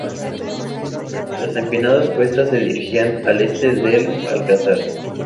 Las empinadas cuestas se dirigían al este del Alcazar.